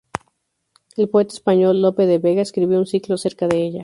El poeta español Lope de Vega escribió un ciclo acerca de ella.